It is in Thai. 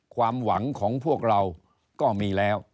ความหวังของพวกเราก็มีแล้ว